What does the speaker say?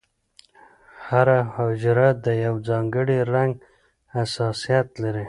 هره حجره د یو ځانګړي رنګ حساسیت لري.